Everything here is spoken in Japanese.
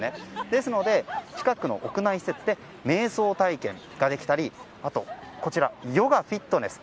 ですので、近くの屋内施設で瞑想体験ができたりあとヨガフィットネス。